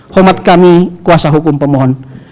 homat kami kuasa hukum pemohon